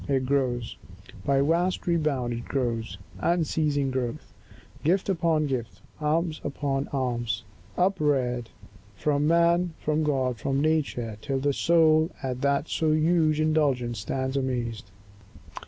It grows— By vast rebound it grows, unceasing growth; Gift upon gift, alms upon alms, upreared, From man, from God, from nature, till the soul At that so huge indulgence stands amazed.